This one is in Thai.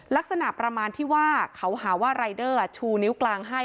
ลักษณะประมาณที่ว่าเขาหาว่ารายเดอร์ชูนิ้วกลางให้